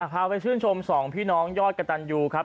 พาไปชื่นชมสองพี่น้องยอดกระตันยูครับ